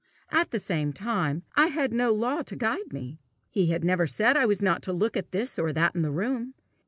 At the same time I had no law to guide me. He had never said I was not to look at this or that in the room.